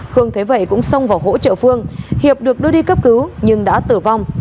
khương thế vậy cũng xông vào hỗ trợ phương hiệp được đưa đi cấp cứu nhưng đã tử vong